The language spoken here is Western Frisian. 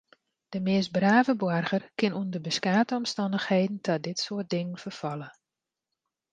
De meast brave boarger kin ûnder beskate omstannichheden ta dit soart dingen ferfalle.